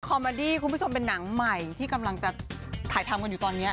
มาดี้คุณผู้ชมเป็นหนังใหม่ที่กำลังจะถ่ายทำกันอยู่ตอนนี้